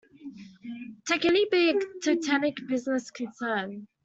Take any big Teutonic business concern.